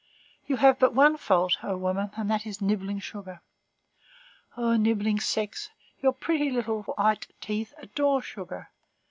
You have but one fault, O woman, and that is nibbling sugar. O nibbling sex, your pretty little white teeth adore sugar.